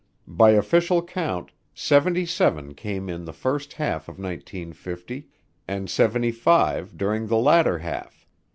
By official count, seventy seven came in the first half of 1950 and seventy five during the latter half.